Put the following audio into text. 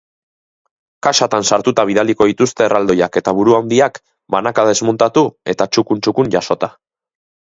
Kaxatan sartuta bidaliko dituzte erraldoiak eta bruhandiak banaka desmuntatu eta txukun txukun jasota.